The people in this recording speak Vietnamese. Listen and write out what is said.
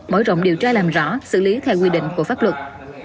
mở rộng điều tra làm rõ xử lý theo quy định của pháp luật